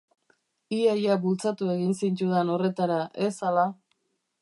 Ia-ia bultzatu egin zintudan horretara, ez ala?